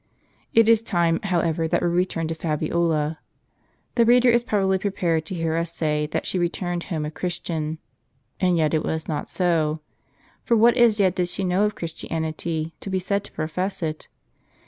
It is time, however, that we return to Fabiola. The reader is probably prepared to hear us say, that she returned home a Christian : and yet it was not so. For what as yet did she know of Christianity, to be said to profess it